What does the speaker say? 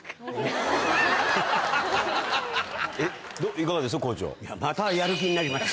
いかがですか？